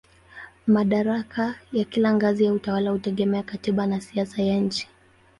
Madaraka ya kila ngazi ya utawala hutegemea katiba na siasa ya nchi.